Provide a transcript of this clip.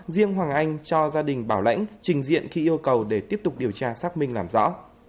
riêng hoàng anh cho gia đình bảo lãnh trình diện khi yêu cầu để tiếp tục điều tra xác minh làm rõ